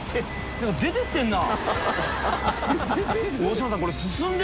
何か出ていってるな。